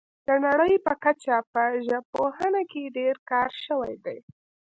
د نړۍ په کچه په ژبپوهنه کې ډیر کار شوی دی